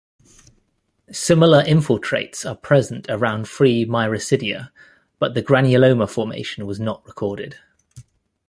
Similar infiltrates are present around free miracidia, but the granuloma formation was not recorded.